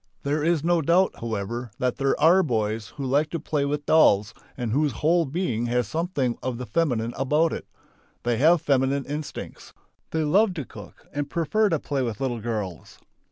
There is no doubt however, that there are boys who like to play with dolls and whose whole being has something of the feminine about it. They have feminine instincts. They love to cook and prefer to play with little girls.